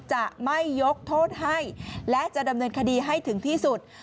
จะไม่ยกโทษให้และจะดำเนินคดีให้ถึงที่สุด